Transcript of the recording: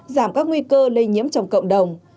giảm các nguy cơ lây nhiễm trong cộng đồng